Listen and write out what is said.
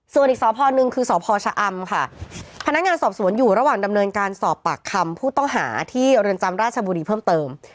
ส่วนอีกสพนึงคือสพชะอำค่ะพนักงานสอบสวนอยู่ระหว่างดำเนินการสอบปากคำผู้ต้องหาที่เรือนจำราชบุรีเพิ่มเติม